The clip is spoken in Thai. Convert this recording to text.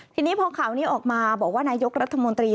ทีนี้พอข่าวนี้ออกมาบอกว่านายกรัฐมนตรี